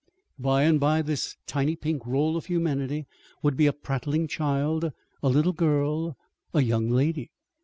By and by this tiny pink roll of humanity would be a prattling child, a little girl, a young lady.